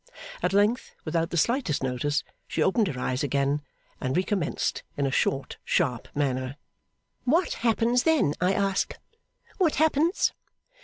At length, without the slightest notice, she opened her eyes again, and recommenced in a short, sharp manner: 'What happens then, I ask! What happens?